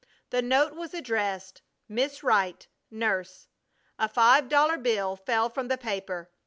The note was addressed, "Miss Wright, Nurse." A five dollar bill fell from the paper.